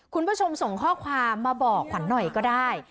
คุณผู้ชมส่งข้อความมาบอกขวัญหน่อยก็ได้